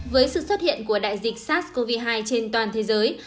với sự xuất hiện của đại dịch sars cov hai trên toàn thế giới